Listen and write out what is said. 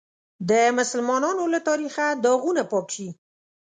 د مسلمانانو له تاریخه داغونه پاک شي.